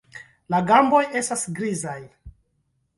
La gamboj estas grizaj.